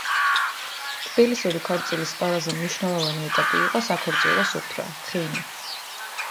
თბილისური ქორწილის ყველაზე მნიშვნელოვანი ეტაპი იყო საქორწილო სუფრა, ლხინი.